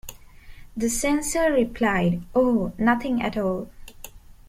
The censor replied, Oh, nothing at all.